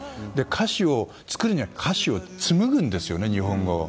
歌詞を作るというか歌詞を紡ぐんですよね、日本語を。